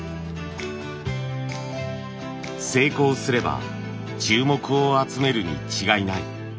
成功すれば注目を集めるに違いない。